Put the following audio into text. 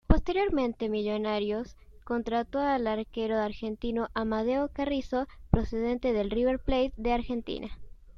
Posteriormente Millonarios contrató al arquero argentino Amadeo Carrizo procedente del River Plate de Argentina.